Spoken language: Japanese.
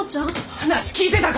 話聞いてたか？